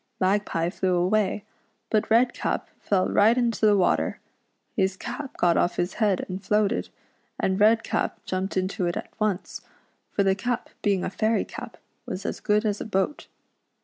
Mag pie .flew away, but Redcap fell right into the water. His cap got off his head and floated, and Redcap jumped into it at once, for the cap being a fairy cap was as good as a boat.